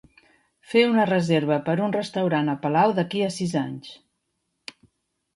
Fer una reserva per a un restaurant a Palau d'aquí a sis anys